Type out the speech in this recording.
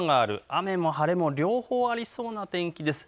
雨も晴れも両方ありそうな天気です。